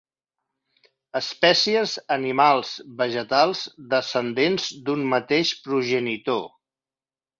Espècies animals, vegetals, descendents d'un mateix progenitor.